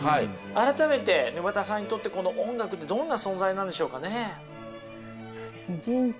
改めて沼田さんにとってこの音楽ってどんな存在なんでしょうかね？